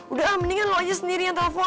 udah ah mendingan lo aja sendiri yang telfon